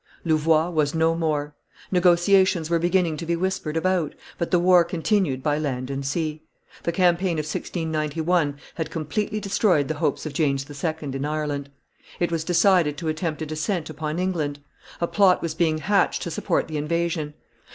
Louvois was no more; negotiations were beginning to be whispered about, but the war continued by land and sea; the campaign of 1691 had completely destroyed the hopes of James II. in Ireland; it was decided to attempt a descent upon England; a plot was being hatched to support the invasion.